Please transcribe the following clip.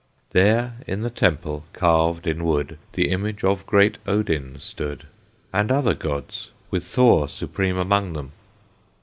There in the Temple, carved in wood, The image of great Odin stood, And other gods, with Thor supreme among them.